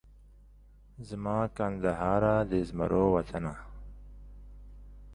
زما کندهاره د زمرو وطنه